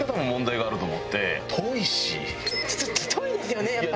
ちょっと遠いですよねやっぱね。